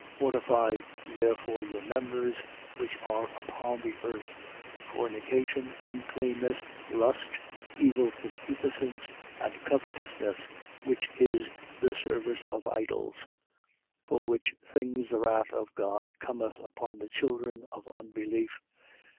3:5. Mortify therefore your members which are upon the earth: fornication, uncleanness, lust, evil concupiscence and covetousness, which is the service of idols. 3:6. For which things the wrath of God cometh upon the children of unbelief.